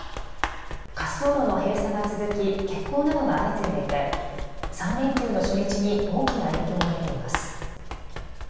滑走路の閉鎖が続き欠航などが相次いでいて３連休の初日に大きな影響が出ています。